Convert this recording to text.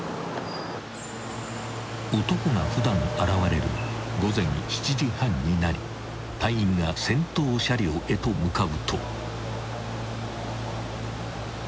［男が普段現れる午前７時半になり隊員が先頭車両へと向かうと］